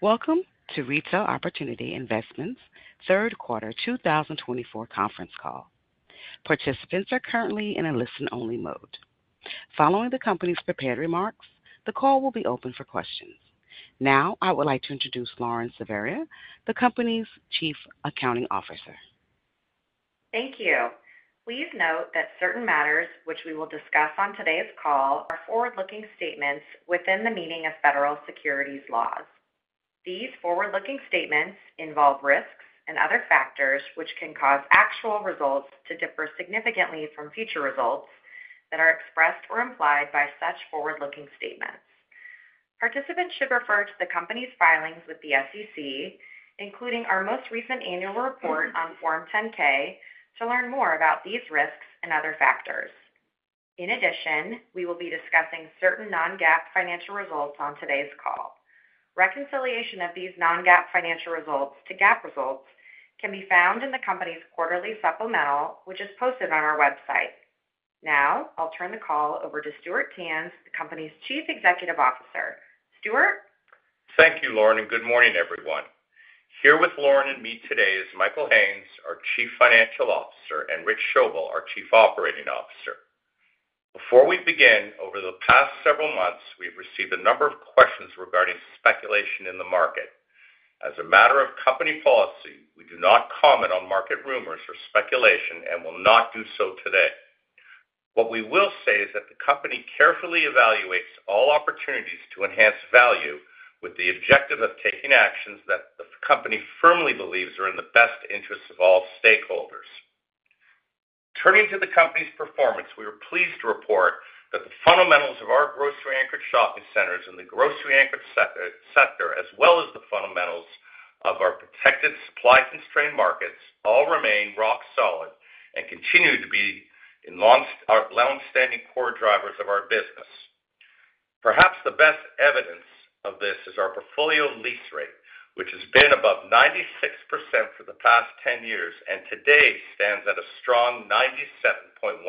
Welcome to Retail Opportunity Investments third quarter 2024 conference call. Participants are currently in a listen-only mode. Following the company's prepared remarks, the call will be open for questions. Now, I would like to introduce Lauren Silveira, the company's Chief Accounting Officer. Thank you. Please note that certain matters which we will discuss on today's call are forward-looking statements within the meaning of federal securities laws. These forward-looking statements involve risks and other factors which can cause actual results to differ significantly from future results that are expressed or implied by such forward-looking statements. Participants should refer to the company's filings with the SEC, including our most recent annual report on Form 10-K, to learn more about these risks and other factors. In addition, we will be discussing certain non-GAAP financial results on today's call. Reconciliation of these non-GAAP financial results to GAAP results can be found in the company's quarterly supplemental, which is posted on our website. Now, I'll turn the call over to Stuart Tanz, the company's Chief Executive Officer. Stuart? Thank you, Lauren, and good morning, everyone. Here with Lauren and me today is Michael Haines, our Chief Financial Officer, and Rich Schoebel, our Chief Operating Officer. Before we begin, over the past several months, we've received a number of questions regarding speculation in the market. As a matter of company policy, we do not comment on market rumors or speculation and will not do so today. What we will say is that the company carefully evaluates all opportunities to enhance value with the objective of taking actions that the company firmly believes are in the best interests of all stakeholders. Turning to the company's performance, we are pleased to report that the fundamentals of our grocery-anchored shopping centers and the grocery-anchored sector, as well as the fundamentals of our protected supply-constrained markets, all remain rock solid and continue to be long-standing core drivers of our business. Perhaps the best evidence of this is our portfolio lease rate, which has been above 96% for the past 10 years, and today stands at a strong 97.1%.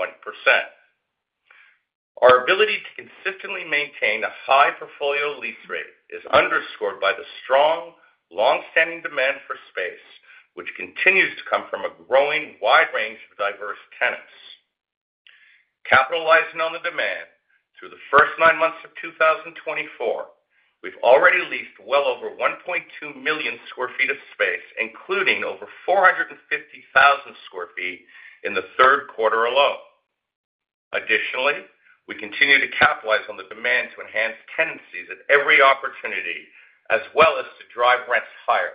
Our ability to consistently maintain a high portfolio lease rate is underscored by the strong, longstanding demand for space, which continues to come from a growing wide range of diverse tenants. Capitalizing on the demand, through the first nine months of 2024, we've already leased well over 1.2 million sq ft of space, including over 450,000 sq ft in the third quarter alone. Additionally, we continue to capitalize on the demand to enhance tenancies at every opportunity, as well as to drive rents higher.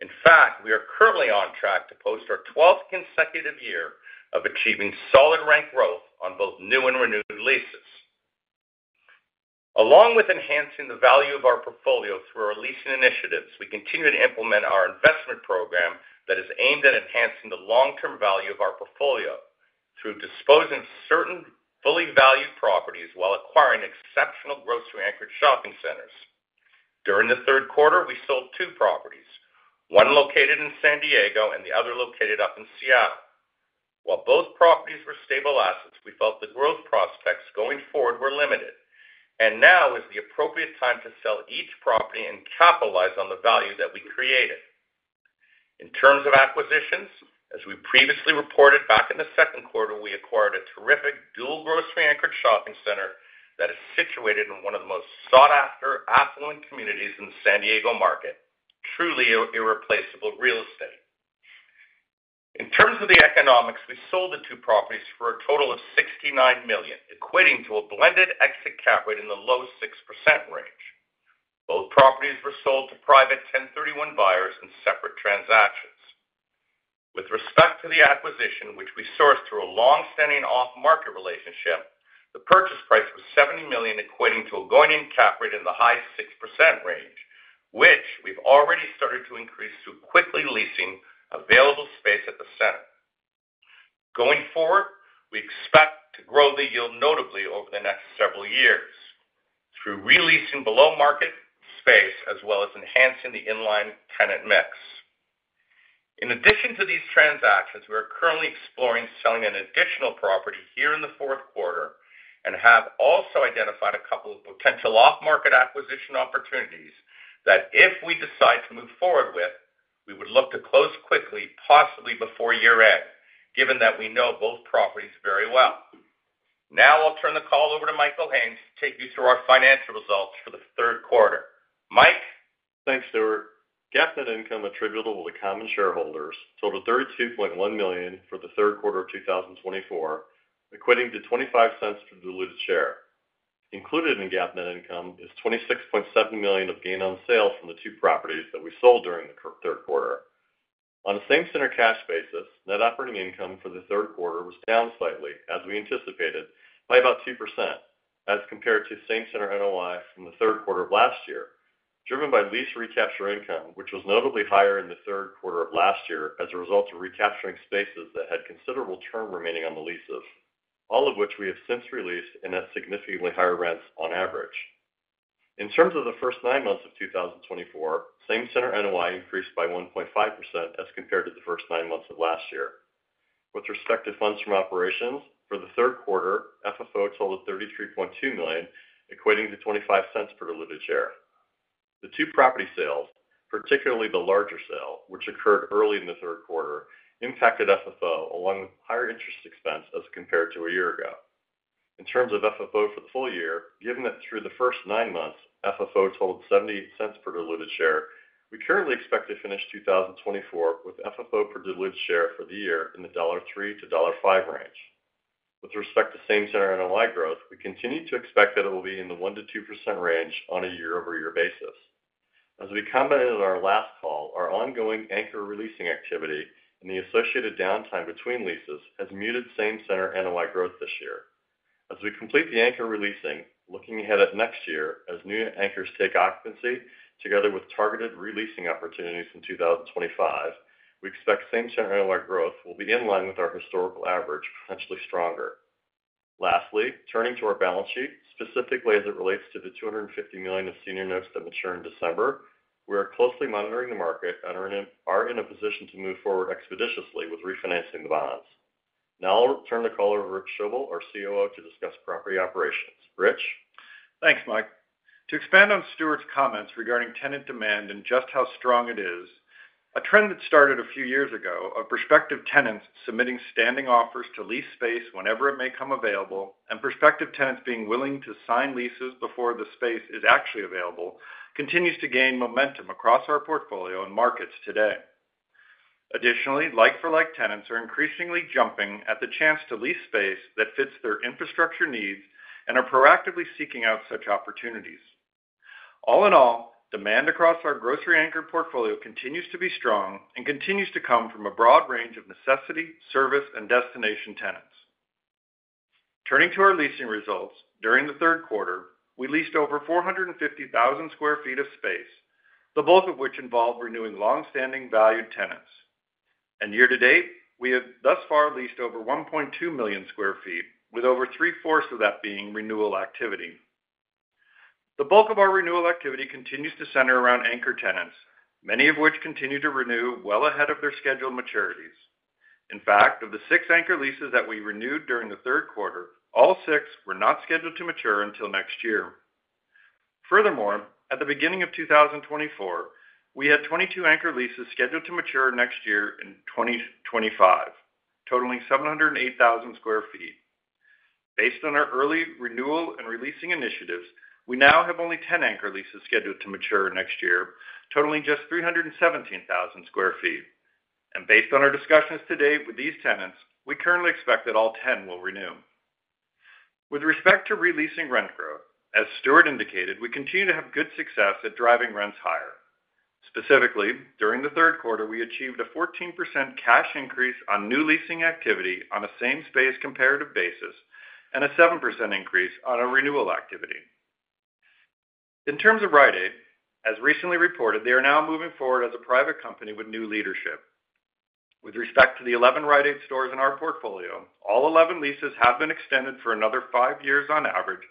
In fact, we are currently on track to post our 12th consecutive year of achieving solid rent growth on both new and renewed leases. Along with enhancing the value of our portfolio through our leasing initiatives, we continue to implement our investment program that is aimed at enhancing the long-term value of our portfolio through disposing certain fully valued properties while acquiring exceptional grocery-anchored shopping centers. During the third quarter, we sold two properties, one located in San Diego and the other located up in Seattle. While both properties were stable assets, we felt the growth prospects going forward were limited, and now is the appropriate time to sell each property and capitalize on the value that we created. In terms of acquisitions, as we previously reported back in the second quarter, we acquired a terrific dual grocery-anchored shopping center that is situated in one of the most sought-after affluent communities in the San Diego market. Truly irreplaceable real estate. In terms of the economics, we sold the two properties for a total of $69 million, equating to a blended exit cap rate in the low-6% range. Both properties were sold to private 1031 buyers in separate transactions. With respect to the acquisition, which we sourced through a long-standing off-market relationship, the purchase price was $70 million, equating to a going-in cap rate in the high-6% range, which we've already started to increase through quickly leasing available space at the center. Going forward, we expect to grow the yield notably over the next several years through re-leasing below-market space, as well as enhancing the in-line tenant mix. In addition to these transactions, we are currently exploring selling an additional property here in the fourth quarter and have also identified a couple of potential off-market acquisition opportunities that, if we decide to move forward with, we would look to close quickly, possibly before year-end, given that we know both properties very well. Now, I'll turn the call over to Michael Haines to take you through our financial results for the third quarter. Mike? Thanks, Stuart. GAAP net income attributable to the common shareholders totaled $32.1 million for the third quarter of 2024, equating to $0.25 per diluted share. Included in GAAP net income is $26.7 million of gain on sales from the two properties that we sold during the third quarter. On a same-center cash basis, net operating income for the third quarter was down slightly, as we anticipated, by about 2% as compared to same-center NOI from the third quarter of last year, driven by lease recapture income, which was notably higher in the third quarter of last year as a result of recapturing spaces that had considerable term remaining on the leases, all of which we have since re-leased and at significantly higher rents on average. In terms of the first nine months of 2024, same-center NOI increased by 1.5% as compared to the first nine months of last year. With respect to funds from operations, for the third quarter, FFO totaled $33.2 million, equating to $0.25 per diluted share. The two property sales, particularly the larger sale, which occurred early in the third quarter, impacted FFO, along with higher interest expense as compared to a year ago. In terms of FFO for the full year, given that through the first nine months, FFO totaled $0.78 per diluted share, we currently expect to finish 2024 with FFO per diluted share for the year in the $3 to $5 range. With respect to same center NOI growth, we continue to expect that it will be in the 1%-2% range on a year-over-year basis. As we commented on our last call, our ongoing anchor re-leasing activity and the associated downtime between leases has muted same center NOI growth this year. As we complete the anchor re-leasing, looking ahead at next year, as new anchors take occupancy, together with targeted re-leasing opportunities in 2025, we expect same center NOI growth will be in line with our historical average, potentially stronger. Lastly, turning to our balance sheet, specifically as it relates to the $250 million of senior notes that mature in December, we are closely monitoring the market and are in a position to move forward expeditiously with refinancing the bonds. Now I'll turn the call over to Rich Schoebel, our COO, to discuss property operations. Rich? Thanks, Mike. To expand on Stuart's comments regarding tenant demand and just how strong it is, a trend that started a few years ago of prospective tenants submitting standing offers to lease space whenever it may come available, and prospective tenants being willing to sign leases before the space is actually available, continues to gain momentum across our portfolio and markets today. Additionally, like-for-like tenants are increasingly jumping at the chance to lease space that fits their infrastructure needs and are proactively seeking out such opportunities. All in all, demand across our grocery anchor portfolio continues to be strong and continues to come from a broad range of necessity, service, and destination tenants. Turning to our leasing results, during the third quarter, we leased over 450,000 sq ft of space, both of which involved renewing long-standing valued tenants. And year-to-date, we have thus far leased over 1.2 million sq ft, with over three-fourths of that being renewal activity. The bulk of our renewal activity continues to center around anchor tenants, many of which continue to renew well ahead of their scheduled maturities. In fact, of the six anchor leases that we renewed during the third quarter, all six were not scheduled to mature until next year. Furthermore, at the beginning of 2024, we had 22 anchor leases scheduled to mature next year in 2025, totaling 708,000 sq ft. Based on our early renewal and re-leasing initiatives, we now have only 10 anchor leases scheduled to mature next year, totaling just 317,000 sq ft. And based on our discussions to date with these tenants, we currently expect that all 10 will renew. With respect to re-leasing rent growth, as Stuart indicated, we continue to have good success at driving rents higher. Specifically, during the third quarter, we achieved a 14% cash increase on new leasing activity on a same space comparative basis and a 7% increase on our renewal activity. In terms of Rite Aid, as recently reported, they are now moving forward as a private company with new leadership. With respect to the 11 Rite Aid stores in our portfolio, all 11 leases have been extended for another five years on average,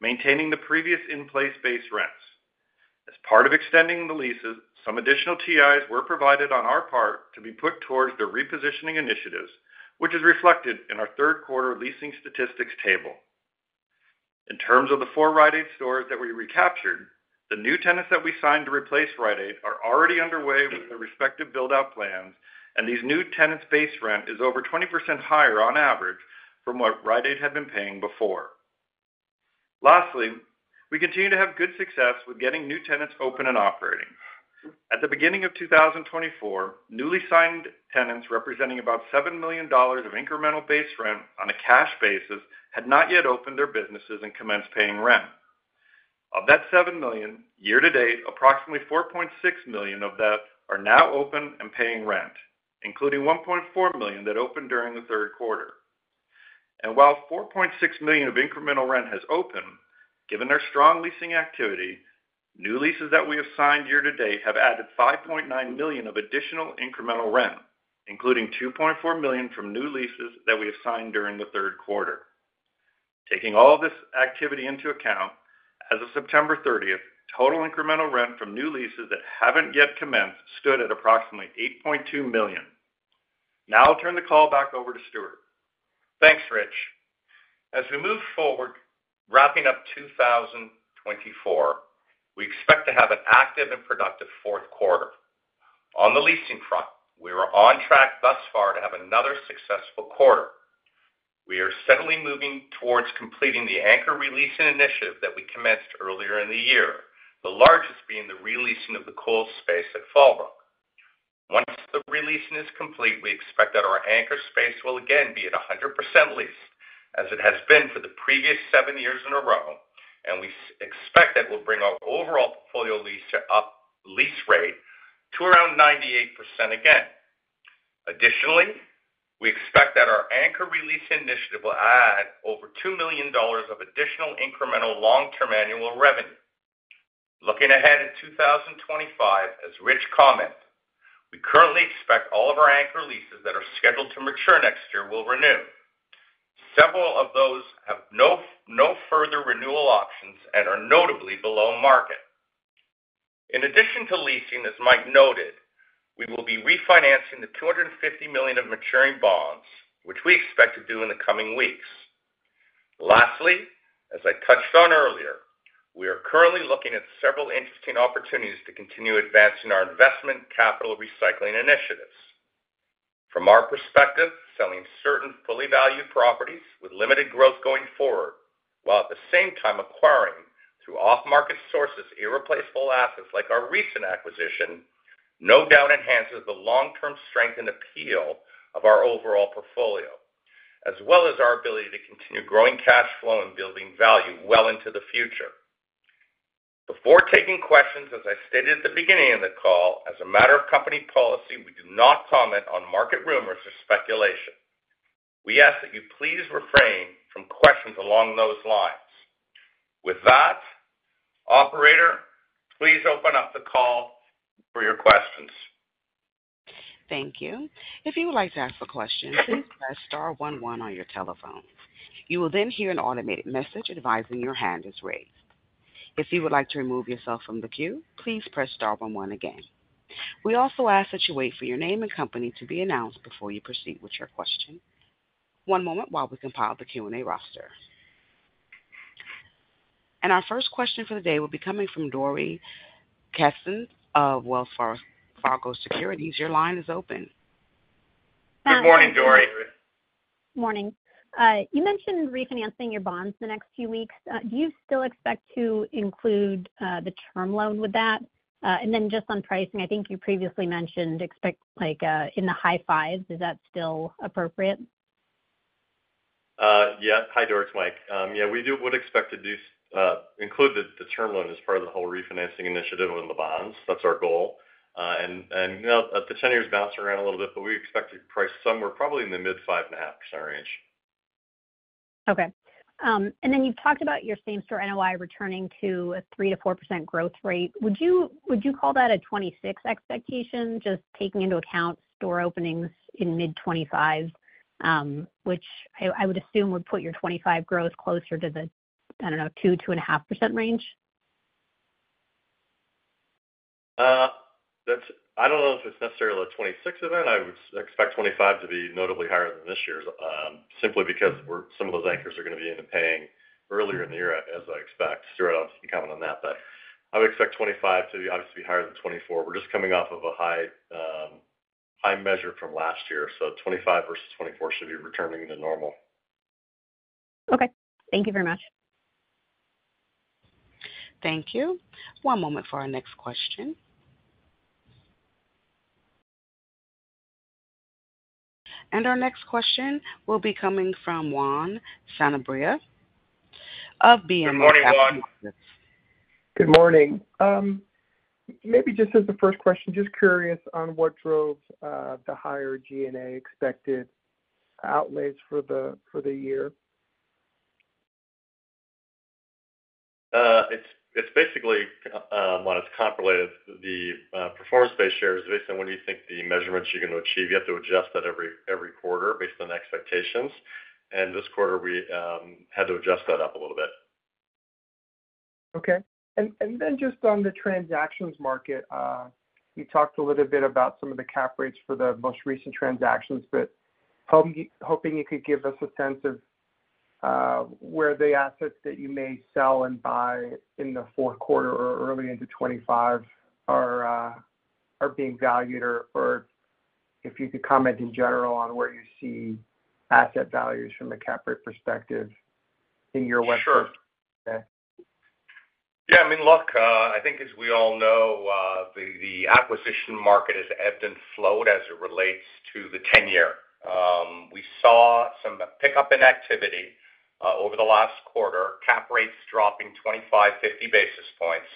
maintaining the previous in-place base rents. As part of extending the leases, some additional TIs were provided on our part to be put towards their repositioning initiatives, which is reflected in our third quarter leasing statistics table. In terms of the four Rite Aid stores that we recaptured, the new tenants that we signed to replace Rite Aid are already underway with their respective build-out plans, and these new tenants' base rent is over 20% higher on average from what Rite Aid had been paying before. Lastly, we continue to have good success with getting new tenants open and operating. At the beginning of 2024, newly signed tenants representing about $7 million of incremental base rent on a cash basis had not yet opened their businesses and commenced paying rent. Of that $7 million, year-to-date, approximately $4.6 million of that are now open and paying rent, including $1.4 million that opened during the third quarter. While $4.6 million of incremental rent has opened, given our strong leasing activity, new leases that we have signed year-to-date have added $5.9 million of additional incremental rent, including $2.4 million from new leases that we have signed during the third quarter. Taking all this activity into account, as of September 30th, total incremental rent from new leases that haven't yet commenced stood at approximately $8.2 million. Now I'll turn the call back over to Stuart. Thanks, Rich. As we move forward, wrapping up 2024, we expect to have an active and productive fourth quarter. On the leasing front, we are on track thus far to have another successful quarter. We are steadily moving towards completing the anchor re-leasing initiative that we commenced earlier in the year, the largest being the re-leasing of the Kohl's space at Fallbrook. Once the re-leasing is complete, we expect that our anchor space will again be at 100% leased, as it has been for the previous seven years in a row, and we expect that will bring our overall portfolio lease rate to around 98% again. Additionally, we expect that our anchor re-leasing initiative will add over $2 million of additional incremental long-term annual revenue. Looking ahead at 2025, as Rich commented, we currently expect all of our anchor leases that are scheduled to mature next year will renew. Several of those have no further renewal options and are notably below market. In addition to leasing, as Mike noted, we will be refinancing the $250 million of maturing bonds, which we expect to do in the coming weeks. Lastly, as I touched on earlier, we are currently looking at several interesting opportunities to continue advancing our investment capital recycling initiatives. From our perspective, selling certain fully valued properties with limited growth going forward, while at the same time acquiring, through off-market sources, irreplaceable assets like our recent acquisition, no doubt enhances the long-term strength and appeal of our overall portfolio, as well as our ability to continue growing cash flow and building value well into the future. Before taking questions, as I stated at the beginning of the call, as a matter of company policy, we do not comment on market rumors or speculation. We ask that you please refrain from questions along those lines. With that, operator, please open up the call for your questions. Thank you. If you would like to ask a question, please press star one one on your telephone. You will then hear an automated message advising your hand is raised. If you would like to remove yourself from the queue, please press star one one again. We also ask that you wait for your name and company to be announced before you proceed with your question. One moment while we compile the Q&A roster, and our first question for the day will be coming from Dori Kessen of Wells Fargo Securities. Your line is open. Good morning, Dori. Morning. You mentioned refinancing your bonds in the next few weeks. Do you still expect to include the term loan with that? And then just on pricing, I think you previously mentioned, expect like in the high fives. Is that still appropriate? Yeah. Hi, Dori. It's Mike. Yeah, we would expect to include the term loan as part of the whole refinancing initiative on the bonds. That's our goal. And you know, the 10-year's bouncing around a little bit, but we expect to price somewhere probably in the mid-5.5% range. Okay. And then you've talked about your same store NOI returning to a 3%-4% growth rate. Would you call that a 2026 expectation, just taking into account store openings in mid-2025, which I would assume would put your 2025 growth closer to the, I don't know, 2%-2.5% range? That's I don't know if it's necessarily a 2026 event. I would expect 2025 to be notably higher than this year's simply because some of those anchors are going to be in the pipeline earlier in the year, as I expect. Sure, I'll be counting on that, but I would expect 2025 to be obviously higher than 2024. We're just coming off of a high measure from last year, so 2025 versus 2024 should be returning to normal. Okay. Thank you very much. Thank you. One moment for our next question, and our next question will be coming from Juan Sanabria of BMO Capital Markets. Good morning, Juan. Good morning. Maybe just as the first question, just curious on what drove the higher G&A expected outlays for the year? It's basically, Juan, it's comp related. The performance-based share is based on what you think the measurements you're going to achieve. You have to adjust that every quarter based on expectations, and this quarter we had to adjust that up a little bit. Okay. And then just on the transactions market, you talked a little bit about some of the cap rates for the most recent transactions, but hoping you could give us a sense of where the assets that you may sell and buy in the fourth quarter or early into 2025 are being valued, or if you could comment in general on where you see asset values from a cap rate perspective in your West Coast. Sure. Okay. Yeah, I mean, look, I think as we all know, the acquisition market has ebbed and flowed as it relates to the 10-year. We saw some pickup in activity over the last quarter, cap rates dropping 25-50 basis points.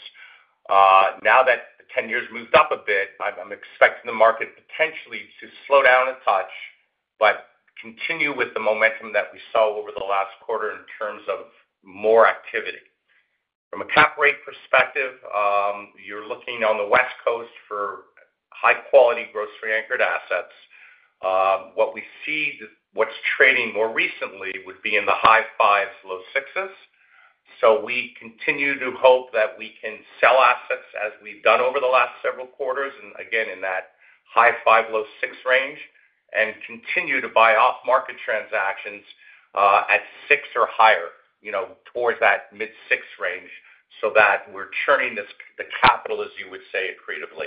Now that the 10-year's moved up a bit, I'm expecting the market potentially to slow down a touch, but continue with the momentum that we saw over the last quarter in terms of more activity. From a cap rate perspective, you're looking on the West Coast for high-quality, grocery-anchored assets. What we see, what's trading more recently would be in the high 5%, low 6%. So we continue to hope that we can sell assets as we've done over the last several quarters, and again, in that high 5%, low 6% range, and continue to buy off market transactions at 6% or higher, you know, towards that mid-6% range, so that we're churning this, the capital, as you would say, creatively.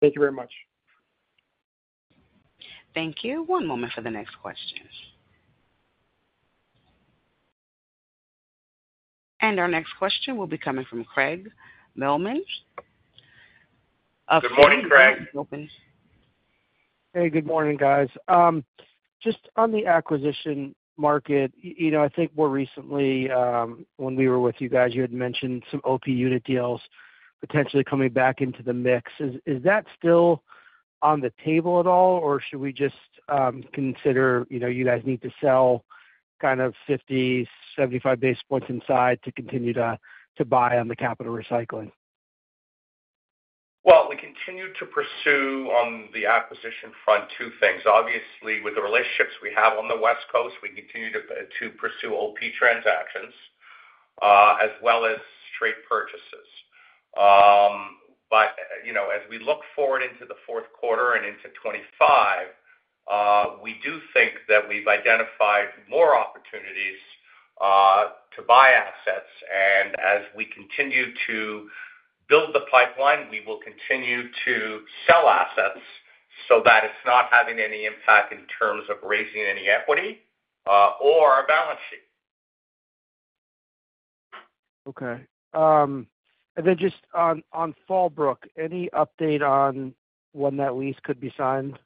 Thank you very much. Thank you. One moment for the next question, and our next question will be coming from Craig Mailman of Citi. Your line is open. Good morning, Craig. Hey, good morning, guys. Just on the acquisition market, you know, I think more recently, when we were with you guys, you had mentioned some OP unit deals potentially coming back into the mix. Is that still on the table at all, or should we just consider, you know, you guys need to sell kind of 50-75 basis points inside to continue to buy on the capital recycling?... Well, we continue to pursue on the acquisition front, two things. Obviously, with the relationships we have on the West Coast, we continue to pursue OP transactions, as well as straight purchases. But, you know, as we look forward into the fourth quarter and into 2025, we do think that we've identified more opportunities to buy assets, and as we continue to build the pipeline, we will continue to sell assets so that it's not having any impact in terms of raising any equity, or our balance sheet. Okay, and then just on Fallbrook, any update on when that lease could be signed?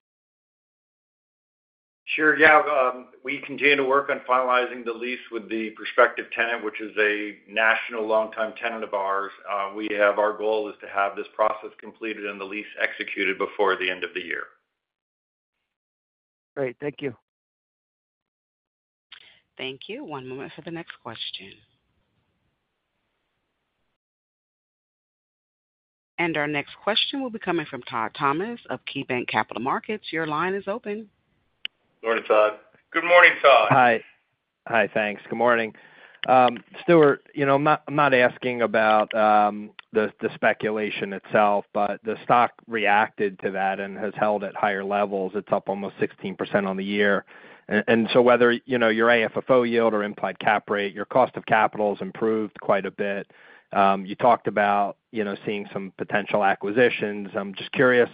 Sure. Yeah. We continue to work on finalizing the lease with the prospective tenant, which is a national longtime tenant of ours. Our goal is to have this process completed and the lease executed before the end of the year. Great. Thank you. Thank you. One moment for the next question, and our next question will be coming from Todd Thomas of KeyBanc Capital Markets. Your line is open. Morning, Todd. Good morning, Todd. Hi. Hi, thanks. Good morning. Stuart, you know, I'm not, I'm not asking about the speculation itself, but the stock reacted to that and has held at higher levels. It's up almost 16% on the year. And so whether, you know, your AFFO yield or implied cap rate, your cost of capital has improved quite a bit. You talked about, you know, seeing some potential acquisitions. I'm just curious,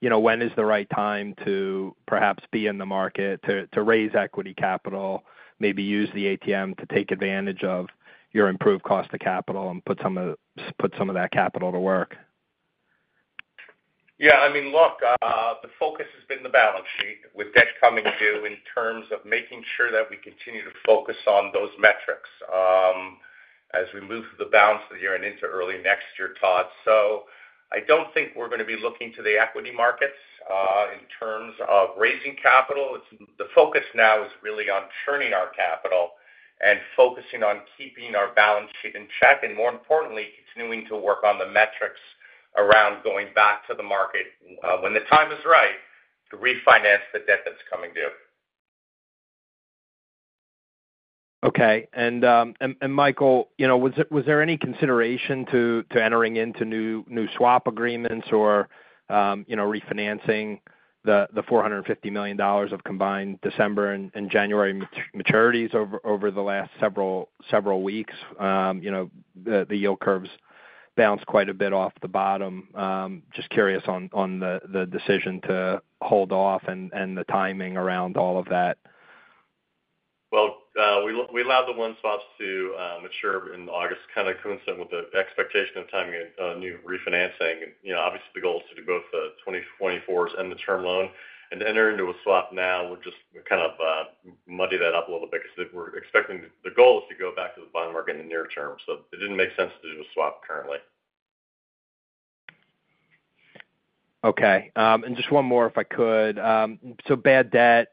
you know, when is the right time to perhaps be in the market to raise equity capital, maybe use the ATM to take advantage of your improved cost of capital and put some of that capital to work? Yeah, I mean, look, the focus has been the balance sheet, with debt coming due, in terms of making sure that we continue to focus on those metrics, as we move through the balance of the year and into early next year, Todd. So I don't think we're going to be looking to the equity markets, in terms of raising capital. It's the focus now is really on churning our capital and focusing on keeping our balance sheet in check, and more importantly, continuing to work on the metrics around going back to the market, when the time is right, to refinance the debt that's coming due. Okay. And Michael, you know, was there any consideration to entering into new swap agreements or, you know, refinancing the $450 million of combined December and January maturities over the last several weeks? You know, the yield curves bounced quite a bit off the bottom. Just curious on the decision to hold off and the timing around all of that. We allowed the swaps to mature in August, kind of coincident with the expectation of timing a new refinancing. You know, obviously the goal is to do both the 2024's and the term loan. To enter into a swap now would just kind of muddy that up a little bit, because we're expecting the goal is to go back to the bond market in the near term. It didn't make sense to do a swap currently. Okay, and just one more, if I could. So bad debt,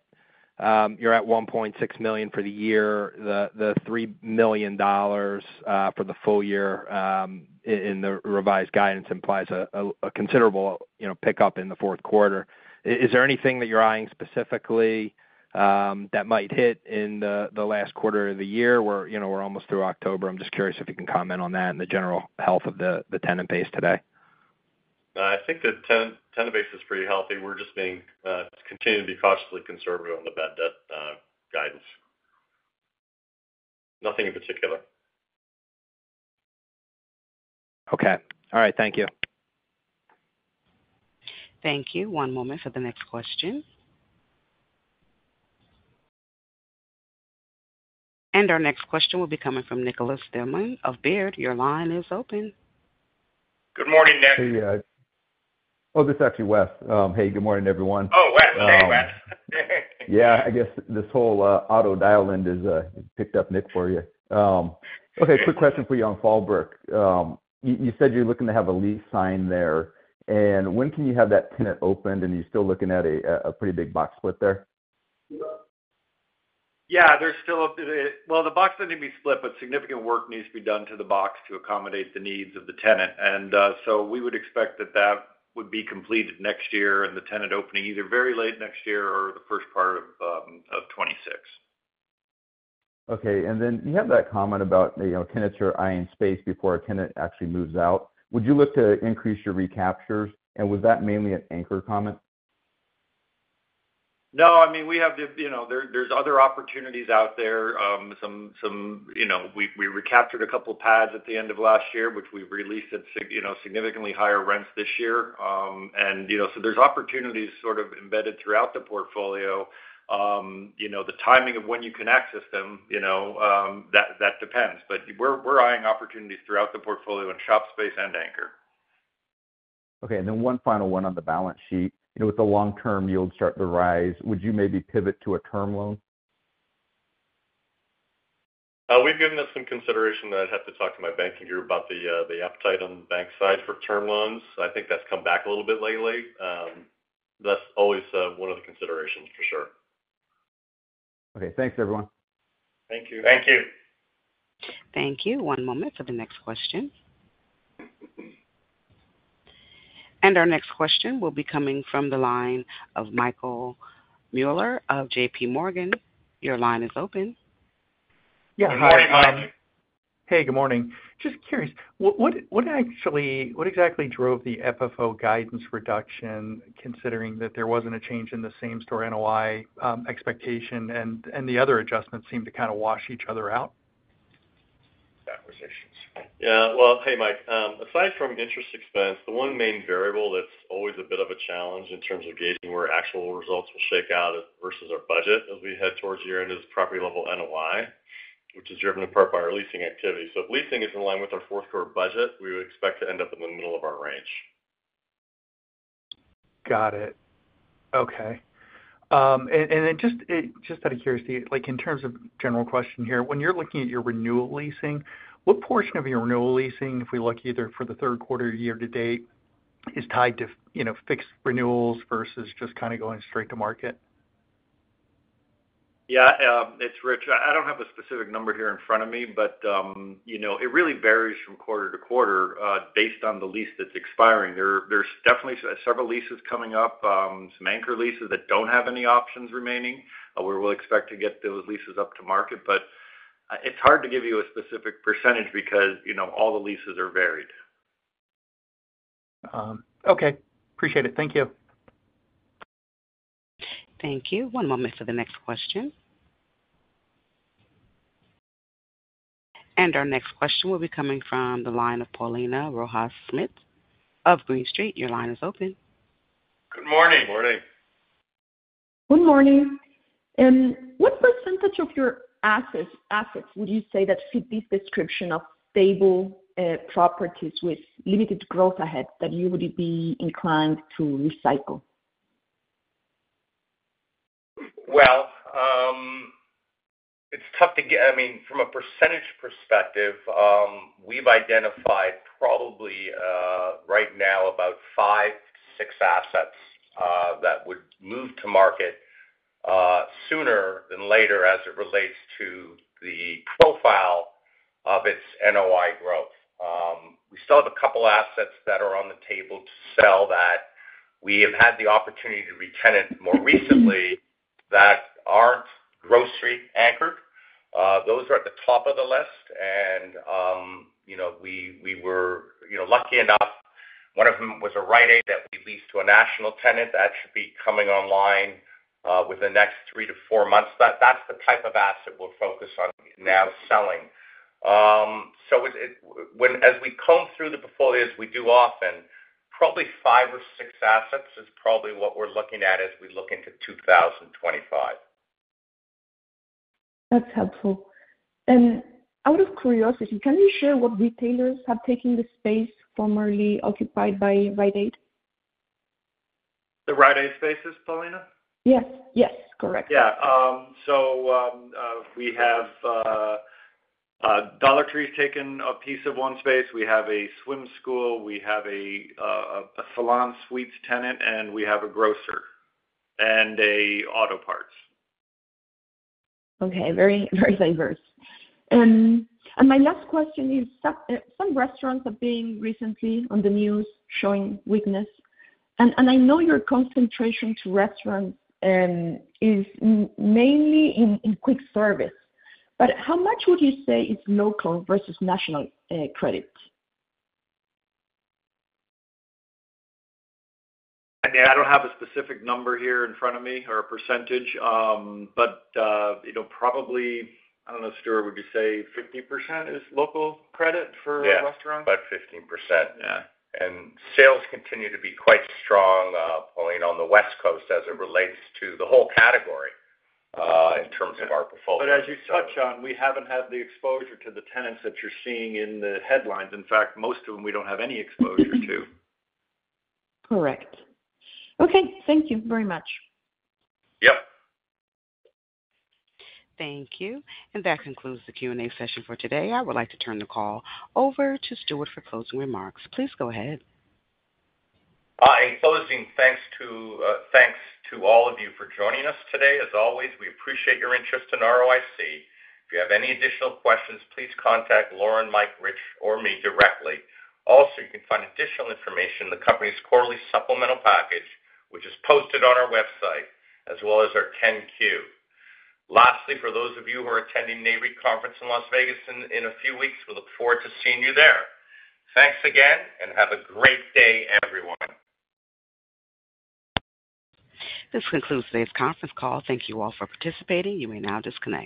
you're at $1.6 million for the year. The $3 million for the full year in the revised guidance implies a considerable, you know, pickup in the fourth quarter. Is there anything that you're eyeing specifically that might hit in the last quarter of the year, where, you know, we're almost through October? I'm just curious if you can comment on that and the general health of the tenant base today. I think the tenant base is pretty healthy. We're just being continuing to be cautiously conservative on the bad debt guidance. Nothing in particular. Okay. All right. Thank you. Thank you. One moment for the next question, and our next question will be coming from Nicholas Denmon of Baird. Your line is open. Good morning, Nick. Hey, uh- Oh, this is actually Wes. Hey, good morning, everyone. Oh, Wes. Hey, Wes. Yeah, I guess this whole auto dial-in just picked up Nick for you. Okay, quick question for you on Fallbrook. You said you're looking to have a lease signed there, and when can you have that tenant opened? And are you still looking at a pretty big box split there? Yeah, there's still. Well, the box doesn't need to be split, but significant work needs to be done to the box to accommodate the needs of the tenant. And so we would expect that that would be completed next year, and the tenant opening either very late next year or the first part of 2026. Okay. And then you have that comment about, you know, tenants are eyeing space before a tenant actually moves out. Would you look to increase your recaptures, and was that mainly an anchor comment? No, I mean, we have the you know, there, there's other opportunities out there. Some, you know, we recaptured a couple of pads at the end of last year, which we've released at significantly higher rents this year. And, you know, so there's opportunities sort of embedded throughout the portfolio. You know, the timing of when you can access them, you know, that depends. But we're eyeing opportunities throughout the portfolio in shop space and anchor. Okay, and then one final one on the balance sheet. You know, with the long-term yields starting to rise, would you maybe pivot to a term loan? We've given this some consideration, but I'd have to talk to my banking group about the appetite on the bank side for term loans. I think that's come back a little bit lately. That's always one of the considerations, for sure.... Okay, thanks everyone. Thank you. Thank you. Thank you. One moment for the next question. And our next question will be coming from the line of Michael Mueller of J.P. Morgan. Your line is open. Yeah. Hi. Hey, good morning. Just curious, what exactly drove the FFO guidance reduction, considering that there wasn't a change in the same-store NOI expectation, and the other adjustments seemed to kind of wash each other out? Yeah. Well, hey, Mike. Aside from interest expense, the one main variable that's always a bit of a challenge in terms of gauging where actual results will shake out versus our budget as we head towards year-end, is property level NOI, which is driven in part by our leasing activity. So if leasing is in line with our fourth quarter budget, we would expect to end up in the middle of our range. Got it. Okay. And just out of curiosity, like, in terms of general question here, when you're looking at your renewal leasing, what portion of your renewal leasing, if we look either for the third quarter or year to date, is tied to, you know, fixed renewals versus just kind of going straight to market? Yeah, it's Rich. I don't have a specific number here in front of me, but, you know, it really varies from quarter-to-quarter, based on the lease that's expiring. There, there's definitely several leases coming up, some anchor leases that don't have any options remaining, where we'll expect to get those leases up to market. But, it's hard to give you a specific percentage because, you know, all the leases are varied. Okay. Appreciate it. Thank you. Thank you. One moment for the next question, and our next question will be coming from the line of Paulina Rojas Schmidt of Green Street. Your line is open. Good morning. Morning. Good morning. What percentage of your assets would you say that fit this description of stable properties with limited growth ahead, that you would be inclined to recycle? It's tough to get... I mean, from a percentage perspective, we've identified probably, right now about five to six assets, that would move to market, sooner than later, as it relates to the profile of its NOI growth. We still have a couple assets that are on the table to sell, that we have had the opportunity to retenant more recently, that aren't grocery anchored. Those are at the top of the list. You know, we were lucky enough, one of them was a Rite Aid that we leased to a national tenant. That should be coming online, within the next three to four months. That's the type of asset we're focused on now selling. As we comb through the portfolios, we do often probably five or six assets, is probably what we're looking at as we look into 2025. That's helpful. And out of curiosity, can you share what retailers have taken the space formerly occupied by Rite Aid? The Rite Aid spaces, Paulina? Yes. Yes, correct. Yeah. So, we have Dollar Tree has taken a piece of one space. We have a swim school, we have a salon suites tenant, and we have a grocer and a auto parts. Okay. Very, very diverse. And my last question is, some restaurants have been recently on the news showing weakness, and I know your concentration to restaurants is mainly in quick service. But how much would you say is local versus national credit? Again, I don't have a specific number here in front of me or a percentage, but, you know, probably, I don't know, Stuart, would you say 50% is local credit for- Yeah. -restaurants? About 15%. Yeah. And sales continue to be quite strong, pulling on the West Coast as it relates to the whole category, in terms of our portfolio. But as you touch on, we haven't had the exposure to the tenants that you're seeing in the headlines. In fact, most of them, we don't have any exposure to. Correct. Okay, thank you very much. Yep. Thank you. And that concludes the Q&A session for today. I would like to turn the call over to Stuart for closing remarks. Please go ahead. In closing, thanks to all of you for joining us today. As always, we appreciate your interest in ROIC. If you have any additional questions, please contact Lauren, Mike, Rich, or me directly. Also, you can find additional information in the company's quarterly supplemental package, which is posted on our website, as well as our 10-Q. Lastly, for those of you who are attending Nareit conference in Las Vegas in a few weeks, we look forward to seeing you there. Thanks again, and have a great day, everyone. This concludes today's conference call. Thank you all for participating. You may now disconnect.